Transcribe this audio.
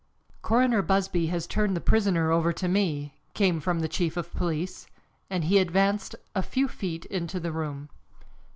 "Coroner Busby has turned the prisoner over to me," came from the chief of police, and he advanced a few feet into the room.